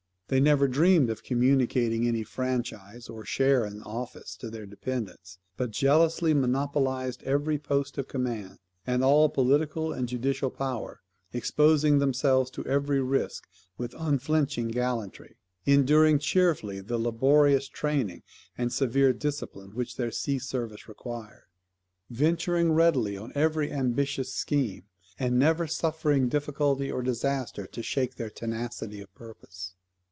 They never dreamed of communicating any franchise, or share in office, to their dependents; but jealously monopolized every post of command, and all political and judicial power; exposing themselves to every risk with unflinching gallantry; enduring cheerfully the laborious training and severe discipline which their sea service required; venturing readily on every ambitious scheme; and never suffering difficulty or disaster to shake their tenacity of purpose.